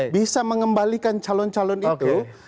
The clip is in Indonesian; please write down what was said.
bisa mengembalikan calon calon itu